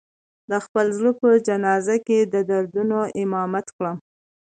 د خپل زړه په جنازه کې د دردونو امامت کړم